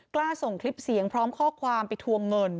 กล้าส่งคลิปเสียงพร้อมข้อความไปทวงเงิน